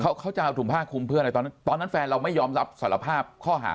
เขาเขาจะเอาถุงผ้าคุมเพื่ออะไรตอนนั้นตอนนั้นแฟนเราไม่ยอมรับสารภาพข้อหา